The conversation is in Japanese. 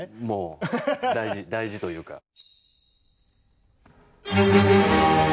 もう大事というか。